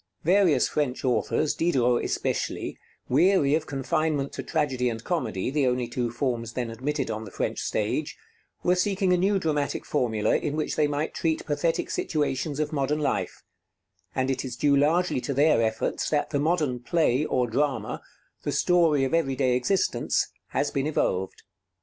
Various French authors, Diderot especially, weary of confinement to tragedy and comedy, the only two forms then admitted on the French stage, were seeking a new dramatic formula in which they might treat pathetic situations of modern life; and it is due largely to their efforts that the modern "play" or "drama," the story of every day existence, has been evolved.